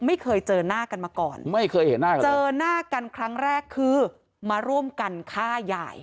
ไม่เคยเจอหน้ากันมาก่อนเจอหน้ากันครั้งแรกคือมาร่วมกันฆ่ายาย